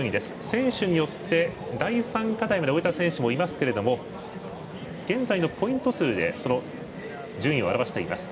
選手によって、第３課題まで終えた選手もいますが現在のポイント数で順位を表しています。